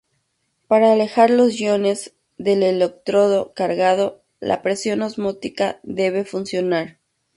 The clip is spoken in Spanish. Para alejar los iones del electrodo cargado, la presión osmótica debe funcionar.